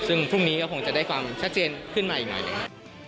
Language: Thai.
ซึ่งพรุ่งนี้ก็คงจะได้ความชัดเจนขึ้นมาอีกหน่อยหนึ่ง